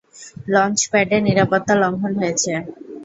লঞ্চ-প্যাডে নিরাপত্তা লঙ্ঘন হয়েছে।